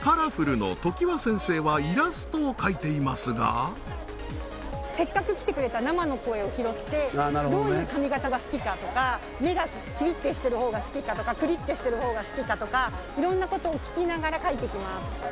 のときわ先生はイラストを描いていますがどういう髪形が好きかとか目がキリッてしてる方が好きかとかクリッてしてる方が好きかとか色んなことを聞きながら描いてきます